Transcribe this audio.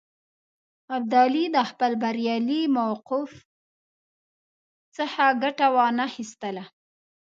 ابدالي د خپل بریالي موقف څخه ګټه وانه خیستله.